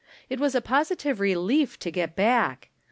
It was a positive relief to get back.